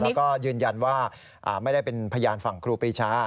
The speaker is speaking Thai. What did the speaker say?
แล้วก็ยืนยันว่าไม่ได้เป็นพยานฝั่งครูปรีชา